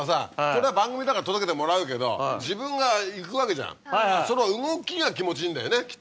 これは番組だから届けてもらうけど自分が行くわけじゃんその動きが気持ちいいんだよねきっとね。